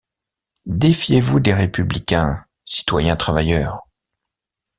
Défiez-vous des républicains, citoyens travailleurs.